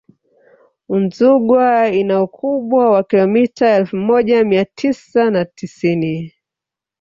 udzungwa ina ukubwa wa kilomita elfu moja mia tisa na tisini